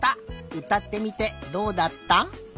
うたってみてどうだった？